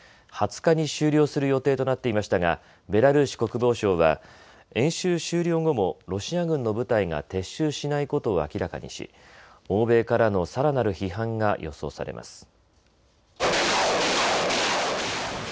２０日に終了する予定となっていましたがベラルーシ国防省は演習終了後もロシア軍の部隊が撤収しないことを明らかにし欧米からのさらなる批判が予想されます。